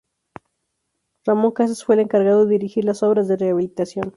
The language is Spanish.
Ramón Casas fue el encargado de dirigir las obras de rehabilitación.